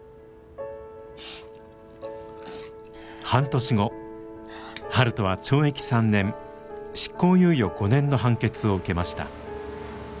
半年後悠人は懲役３年執行猶予５年の判決を受けました。